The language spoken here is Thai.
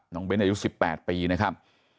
น้องเบนอายุ๑๘ปีนะครับ